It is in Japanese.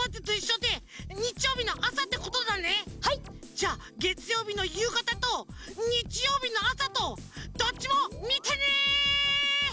じゃげつようびのゆうがたとにちようびのあさとどっちもみてね！